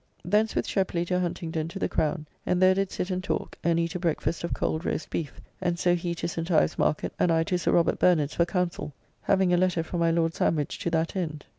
Thence with Sheply to Huntingdon to the Crown, and there did sit and talk, and eat a breakfast of cold roast beef, and so he to St. Ives Market, and I to Sir Robert Bernard's for council, having a letter from my Lord Sandwich to that end.